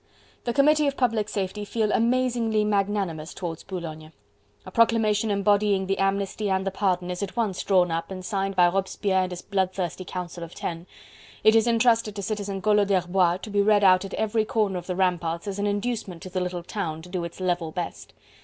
The Committee of Public Safety feel amazingly magnanimous towards Boulogne; a proclamation embodying the amnesty and the pardon is at once drawn up and signed by Robespierre and his bloodthirsty Council of Ten, it is entrusted to Citizen Collot d'Herbois to be read out at every corner of the ramparts as an inducement to the little town to do its level best.